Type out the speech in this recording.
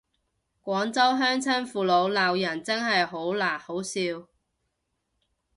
廣州鄉親父老鬧人真係好嗱好笑